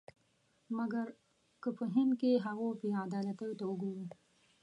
مګر که په هند کې هغو بې عدالتیو ته وګورو.